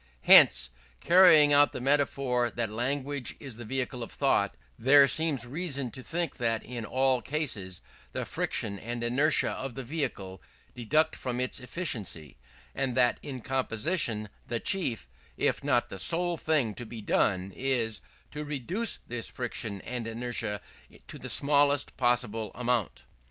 Hence, carrying out the metaphor that language is the vehicle of thought, there seems reason to think that in all cases the friction and inertia of the vehicle deduct from its efficiency; and that in composition, the chief, if not the sole thing to be done, is, to reduce this friction and inertia to the smallest possible amount.